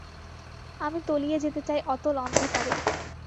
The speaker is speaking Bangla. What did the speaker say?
আমি তলিয়ে যেতে চাই অতল অন্ধকারে।